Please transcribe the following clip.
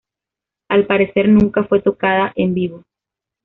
Al parecer, nunca fue tocada en vivo.